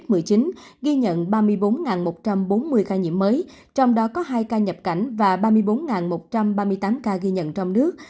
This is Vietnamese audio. tình hình dịch covid một mươi chín ghi nhận ba mươi bốn một trăm bốn mươi ca nhiễm mới trong đó có hai ca nhập cảnh và ba mươi bốn một trăm ba mươi tám ca ghi nhận trong nước